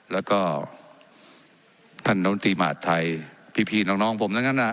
แล้วก็ท่านน้องตรีหมาดไทยพี่พี่น้องน้องผมทั้งนั้นอ่ะ